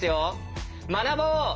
学ぼう！